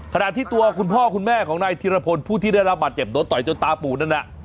ขณะที่ตัวคุณพ่อคุณแม่ของนายธิรพลผู้ที่ได้รับบาดเจ็บโดนต่อยจนตาปูดนั่นน่ะ